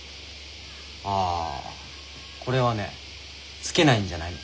ああこれはねつけないんじゃないの。